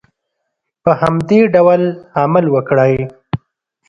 په همدې ډول عمل وکړئ.